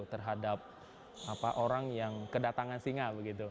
terhadap orang yang kedatangan singa begitu